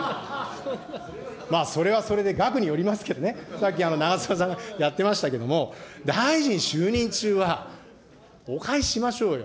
まあそれはそれで額によりますけどね、さっき長妻さんやってましたけども、大臣就任中はお返ししましょうよ。